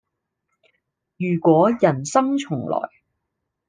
如果人生重來